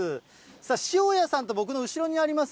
さあ、塩谷さんと僕の後ろにあります